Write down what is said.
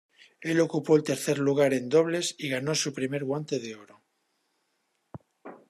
Él ocupó el tercer lugar en dobles y ganó su primer Guante de Oro.